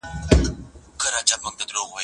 زه اوږده وخت کتابتون ته ځم وم!.